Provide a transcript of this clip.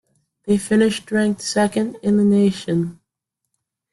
They finished ranked second in the nation.